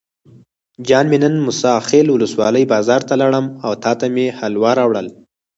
جان مې نن موسی خیل ولسوالۍ بازار ته لاړم او تاته مې حلوا راوړل.